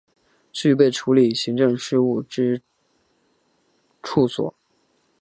具备处理行政事务之处所